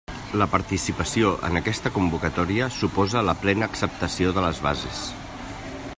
La participació en aquesta convocatòria suposa la plena acceptació de les bases.